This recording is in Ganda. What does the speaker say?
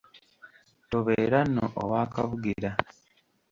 Tobeera nno owa kabugira.